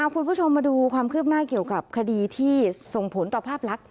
คุณผู้ชมมาดูความคืบหน้าเกี่ยวกับคดีที่ส่งผลต่อภาพลักษณ